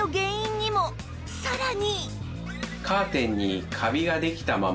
さらに